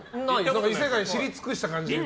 異世界知り尽くした感じだけど。